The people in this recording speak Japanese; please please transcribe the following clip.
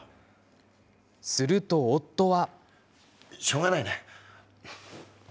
すると夫は。